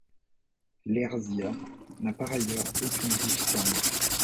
L'erzya n'a par ailleurs aucune diphtongue.